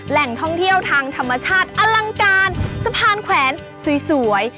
แหล่งท่องเที่ยวทางธรรมชาติอลังการสะพานแขวนสวย